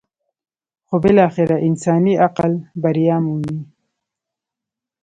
خو بالاخره انساني عقل برۍ مومي.